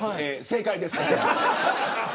正解です。